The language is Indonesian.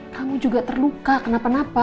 kamu juga terluka kenapa napa